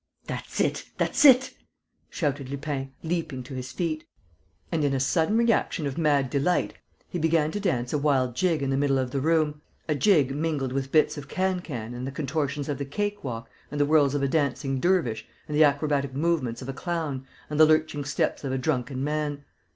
"That's it! That's it!" shouted Lupin, leaping to his feet. And, in a sudden reaction of mad delight, he began to dance a wild jig in the middle of the room, a jig mingled with bits of can can and the contortions of the cakewalk and the whirls of a dancing dervish and the acrobatic movements of a clown and the lurching steps of a drunken man.